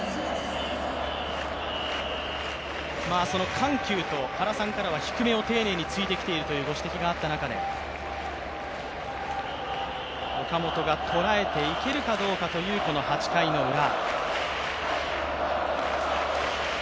緩急と、原さんからは低めを丁寧に突いてきているというご指摘があった中で岡本が捉えていけるかどうかという８回のウラ。